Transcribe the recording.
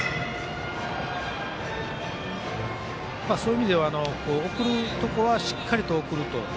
そういう意味では送るところは、しっかりと送ると。